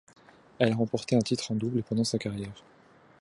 Elle a remporté un titre en double pendant sa carrière.